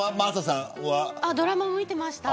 ドラマ見てました。